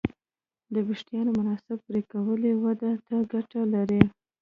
د وېښتیانو مناسب پرېکول یې ودې ته ګټه لري.